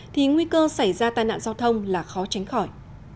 thì nguy cơ xảy ra tai nạn giao thông là khó tránh khỏi